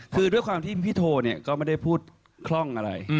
คือด้วยความที่พี่โทเนี่ยก็ไม่ได้พูดคล่องอะไร